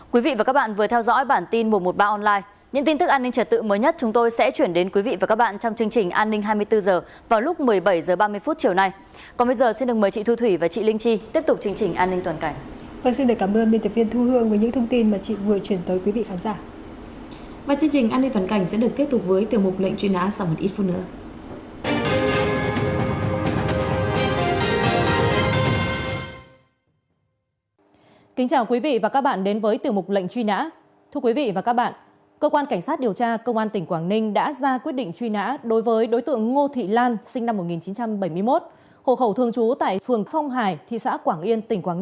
chương trình an ninh toàn cảnh sẽ được kết thúc với tiểu mục lệnh truy nã sau một ít phút nữa